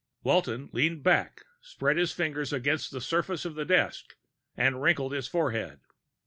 Walton leaned back, spread his fingers against the surface of the desk, and wrinkled his forehead.